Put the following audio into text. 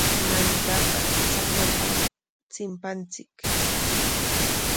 Mayutaqa chakapa chimpanchik.